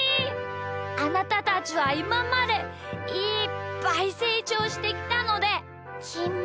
あなたたちはいままでいっぱいせいちょうしてきたのできん